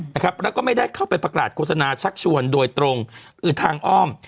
แล้วก็ไม่ได้เข้าไปประกาศโฆษณาชักชวนโดยตรงหรือทางอ้อม